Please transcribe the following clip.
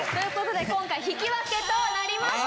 今回引き分けとなりました。